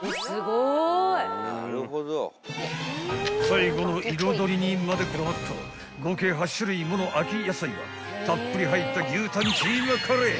［最後の彩りにまでこだわった合計８種類もの秋野菜がたっぷり入った牛タンキーマカレー